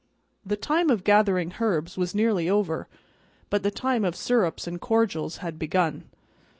The time of gathering herbs was nearly over, but the time of syrups and cordials had begun.